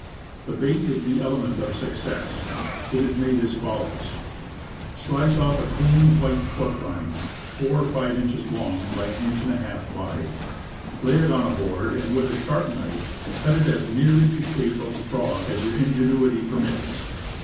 The bait is the element of success; it is made as follows: Slice off a clean, white pork rind, four or five inches long, by an inch and a half wide; lay it on a board, and, with a sharp knife cut it as nearly to the shape of a frog as your ingenuity permits.